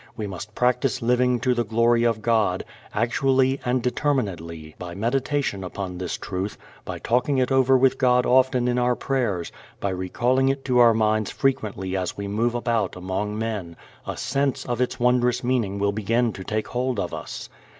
We must practice living to the glory of God, actually and determinedly. By meditation upon this truth, by talking it over with God often in our prayers, by recalling it to our minds frequently as we move about among men, a sense of its wondrous meaning will begin to take hold of us.